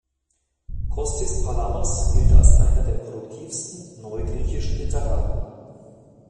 Kostis Palamas gilt als einer der produktivsten neugriechischen Literaten.